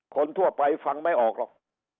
คนทั่วไปฟังไม่ออกหรอก